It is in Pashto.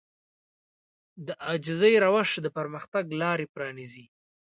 د عاجزي روش د پرمختګ لارې پرانيزي.